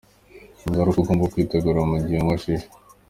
Ingaruka ugomba kwitegura mu gihe unywa Shisha.